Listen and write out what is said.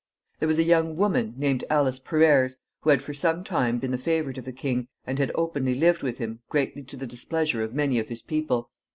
There was a young woman, named Alice Perrers, who had for some time been the favorite of the king, and had openly lived with him, greatly to the displeasure of many of his people.